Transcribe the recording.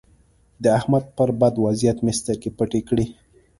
د احمد پر بد وضيعت مې سترګې پټې کړې.